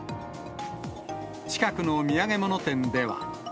近くの土産物店では。